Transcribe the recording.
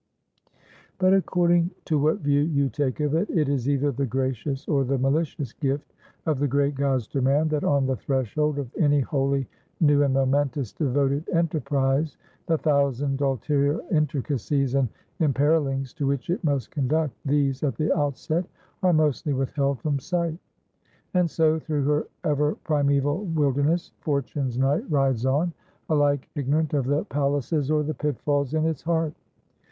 But according to what view you take of it, it is either the gracious or the malicious gift of the great gods to man, that on the threshold of any wholly new and momentous devoted enterprise, the thousand ulterior intricacies and emperilings to which it must conduct; these, at the outset, are mostly withheld from sight; and so, through her ever primeval wilderness Fortune's Knight rides on, alike ignorant of the palaces or the pitfalls in its heart.